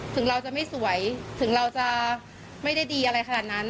ถึงเราจะไม่สวยถึงเราจะไม่ได้ดีอะไรขนาดนั้น